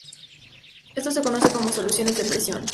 Esto se conoce como soluciones de presión.